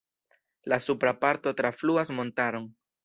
La supra parto trafluas montaron.